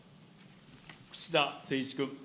串田誠一君。